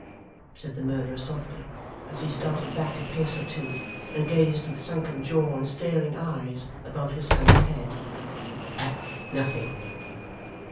said the murderer softly, as he started back a pace or two, and gazed with sunken jaw and staring eyes above his son's head. 'At nothing!